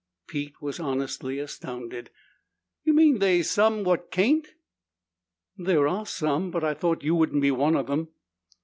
Pete was honestly astounded. "You mean they's some what cain't?" "There are some, but I thought you wouldn't be one of them!"